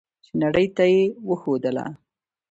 چې نړۍ ته یې وښودله.